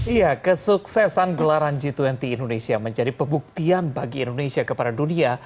iya kesuksesan gelaran g dua puluh indonesia menjadi pembuktian bagi indonesia kepada dunia